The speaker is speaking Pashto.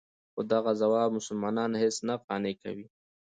خو دغه ځواب مسلمانان هېڅ نه قانع کوي.